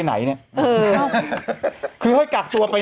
หนุ่มกัญชัยโทรมา